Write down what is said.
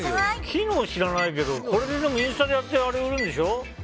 機能知らないけどインスタでやってあれを売るんでしょ。